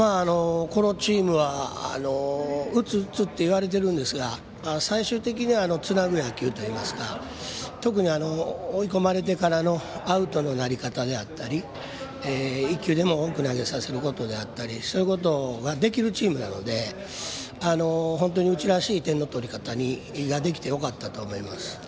このチームは打つ打つって言われてるんですが最終的にはつなぐ野球といいますか特に追い込まれてからのアウトのなり方であったり１球でも多く投げさせることであったりそういうことができるチームなので本当にうちらしい点の取り方ができてよかったと思います。